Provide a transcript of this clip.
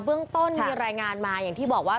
เบื้องต้นมีรายงานมาอย่างที่บอกว่า